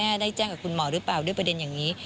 ไม่ไม่ได้แจ้งมาคุณหมอเลยเปล่าด้วยประเด็นอย่างนี้